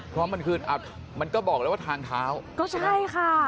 เพราะมันคืออ่ะมันก็บอกแล้วว่าทางเท้าก็ใช่ค่ะ